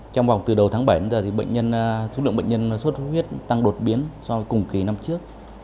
trong vòng từ đầu tháng bảy đến giờ số lượng bệnh nhân xuất huyết tăng đột biến so với cùng kỳ năm trước